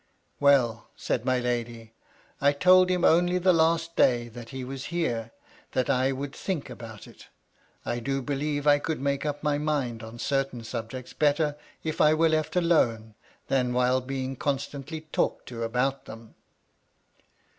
"Well," said my lady, "I told him only the last day that be was here, that I would think about it. I do believe I could make up my mind on certain subjects better if I were left alone, than while being constantly talked to about them."